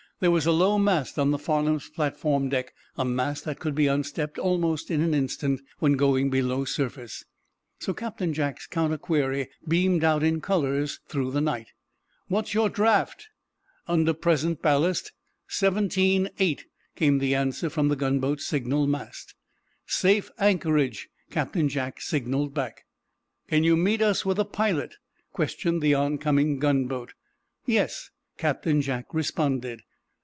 There was a low mast on the "Farnum's" platform deck, a mast that could be unstepped almost in an instant when going below surface. So Captain Jack's counter query beamed out in colors through the night: "What's your draught?" "Under present ballast, seventeen eight," came the answer from the gunboat's signal mast. "Safe anchorage," Captain Jack signaled back. "Can you meet us with a pilot?" questioned the on coming gunboat. "Yes," Captain Jack responded.